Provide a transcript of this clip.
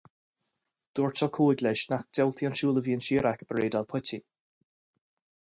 Dúirt Ó Cuaig leis nach diabhaltaí an siúl a bhíonn siar acu ag raidáil poitín.